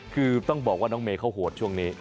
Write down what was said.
คือต้องบอกว่าน้องเมย์เขาโหดช่วงนี้